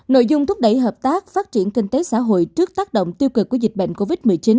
nội dung thúc đẩy hợp tác phát triển kinh tế xã hội trước tác động tiêu cực của dịch bệnh covid một mươi chín